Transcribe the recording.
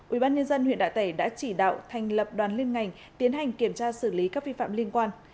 ubnd huyện đạ tẻ đã chỉ đạo thành lập đoàn liên ngành tiến hành kiểm tra xử lý các vi phạm liên quan